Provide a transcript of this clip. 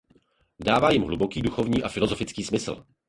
Dává jim hluboký duchovní a filozofický smysl.